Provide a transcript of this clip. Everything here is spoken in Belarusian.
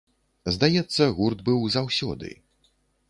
Здаецца, гурт быў заўсёды.